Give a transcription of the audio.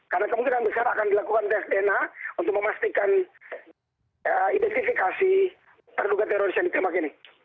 karena kemungkinan besar akan dilakukan test dna untuk memastikan identifikasi terduga teroris yang ditembak ini